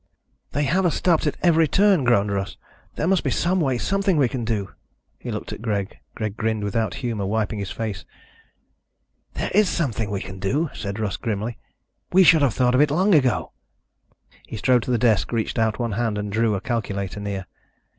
"They have us stopped at every turn," groaned Russ. "There must be some way, something we can do." He looked at Greg. Greg grinned without humor, wiping his face. "There is something we can do," said Russ grimly. "We should have thought of it long ago." He strode to the desk, reached out one hand and drew a calculator near.